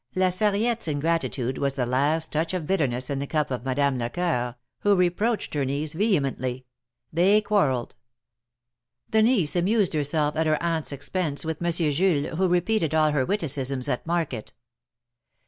La Sarriette^s ingratitude was the last touch of bitterness in the cup of Madame Lecoeur, who reproached her niece vehemently. They quarrelled. The niece amused herself at her aunt's expense with Monsieur Jules, who repeated all her witticisms at market.